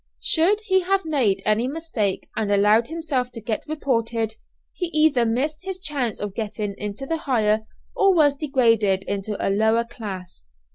Should he have made any mistake and allowed himself to get "reported," he either missed his chance of getting into the higher, or was degraded into a lower class.